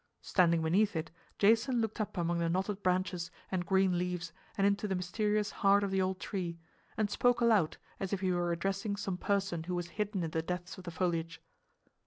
Standing beneath it, Jason looked up among the knotted branches and green leaves and into the mysterious heart of the old tree, and spoke aloud, as if he were addressing some person who was hidden in the depths of the foliage.